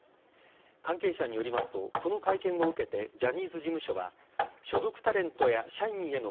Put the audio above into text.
関係者によりますとこの会見を受けてジャニーズ事務所は所属タレントや社員への